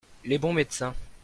les bons médecins.